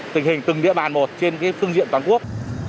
tình hình từng địa bàn một trên phương diện toàn quốc